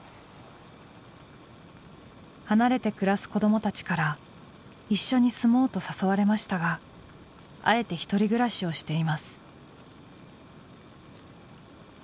離れて暮らす子どもたちから一緒に住もうと誘われましたがあえて独り暮らしをしています。